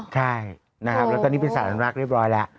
ใช่นะครับแล้วตอนนี้เป็นสารอนุรักษ์เรียบร้อยแล้ว